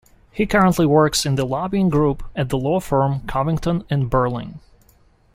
He currently works in the lobbying group at the law firm Covington and Burling.